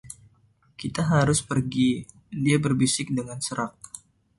“Kita harus pergi,” dia berbisik dengan serak.